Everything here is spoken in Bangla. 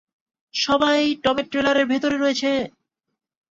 সবাই টমের ট্রেলারের ভেতরে রয়েছে।